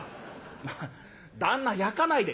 「まあ旦那やかないで」。